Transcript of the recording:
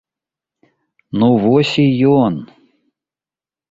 Ну вось і ён!